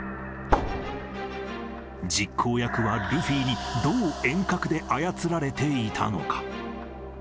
実行役はルフィに、どう遠隔で操られていたのか。